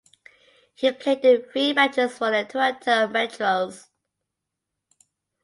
He played in three matches for the Toronto Metros.